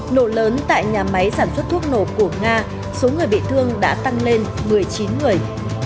nổ lớn tại nhà máy sản xuất thuốc nổ của nga số người bị thương đã tăng lên một mươi chín người